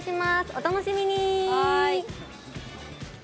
お楽しみに！